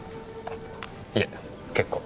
いえ結構。